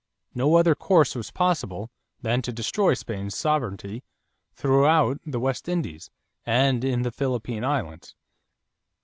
No other course was possible than to destroy Spain's sovereignty throughout the West Indies and in the Philippine Islands.